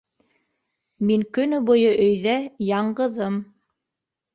Мин көнө буйы өйҙә яңғыҙым.